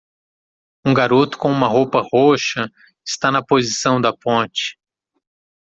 Um garoto com uma roupa roxa está na posição da ponte.